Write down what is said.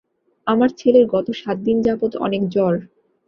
আমার ছেলের গত সাত দিন যাবত অনেক জ্বর।